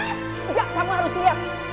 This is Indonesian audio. enggak kamu harus lihat